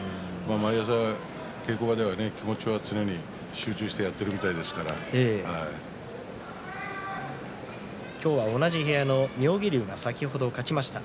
毎朝、稽古場では気持ちは常に集中して今日は同じ部屋の妙義龍が先ほど勝ちました。